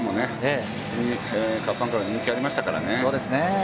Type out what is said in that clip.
カープファンから人気ありましたからね。